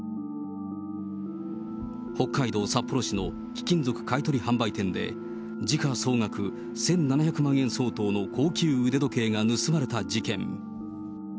北海道札幌市の貴金属買い取り販売店で時価総額１７００万円相当の高級腕時計が盗まれた事件。